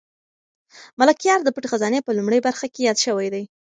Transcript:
ملکیار د پټې خزانې په لومړۍ برخه کې یاد شوی دی.